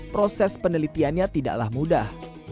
proses penelitiannya tidaklah mudah